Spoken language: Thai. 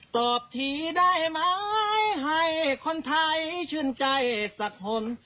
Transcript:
ตอบทีได้ไหมให้คนไทยชื่นใจสักคน